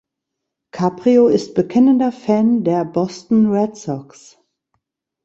Caprio ist bekennender Fan der Boston Red Sox.